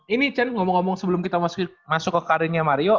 ini cen ngomong ngomong sebelum kita masuk ke karirnya mario